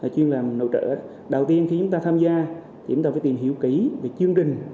chuyên làm nội trợ đầu tiên khi chúng ta tham gia thì chúng ta phải tìm hiểu kỹ về chương trình